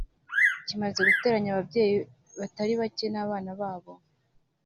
kimaze guteranya ababyeyi batari bake n’abana babo